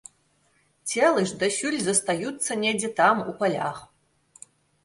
Целы ж дасюль застаюцца недзе там, у палях.